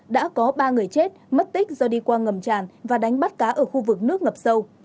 đã có ba người chết mất tích do đi qua ngầm tràn và đánh bắt cá ở khu vực nước ngập sâu